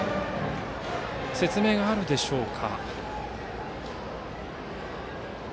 説明があるでしょうか。